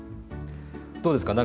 どうですか？